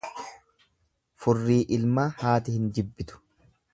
Furri ilmaa haati hin jibbitu.